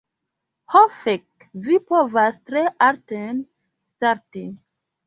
Ho fek', vi povas tre alten salti.